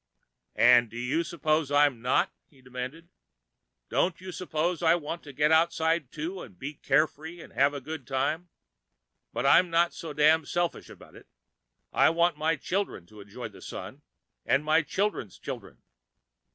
"And do you suppose I'm not?" he demanded. "Don't you suppose I want to get outside, too, and be carefree and have a good time? But I'm not so damn selfish about it. I want my children to enjoy the Sun, and my children's children.